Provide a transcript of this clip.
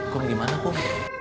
kok gimana pak